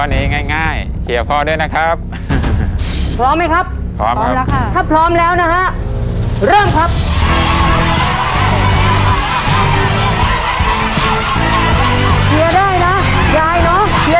เก่งมากเก่งมากหรือ